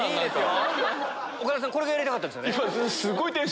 岡田さんこれがやりたかったんですよね？